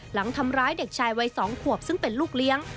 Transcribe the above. หลังทำร้ายเด็กชายวัย๒ขวบซึ่งเป็นลูกเลี้ยง